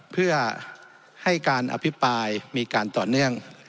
เพื่อให้การอภิปรายมีการต่อเนื่อง